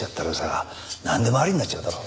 なんでもありになっちゃうだろ。